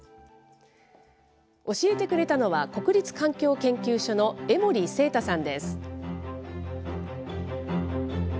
教えてくれたのは国立環境研究所の江守正多さんです。